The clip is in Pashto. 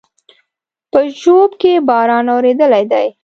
په ژوب کې باران اورېدلى دی